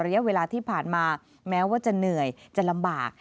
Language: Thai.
ระยะเวลาที่ผ่านมาแม้ว่าจะเหนื่อยจะลำบาก